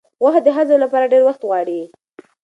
غوښه د هضم لپاره ډېر وخت غواړي.